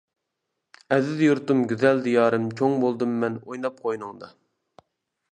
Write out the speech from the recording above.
ئەزىز يۇرتۇم گۈزەل دىيارىم-چوڭ بولدۇممەن ئويناپ قوينۇڭدا.